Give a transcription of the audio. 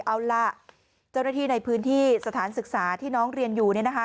เอาล่ะเจ้าหน้าที่ในพื้นที่สถานศึกษาที่น้องเรียนอยู่เนี่ยนะคะ